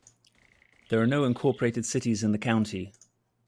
There are no incorporated cities in the county.